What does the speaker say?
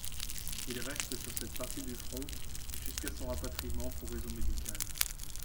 Il reste sur cette partie du front, jusqu'à son rapatriement pour raison médicale.